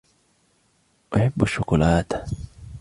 أحب الشوكولاتة.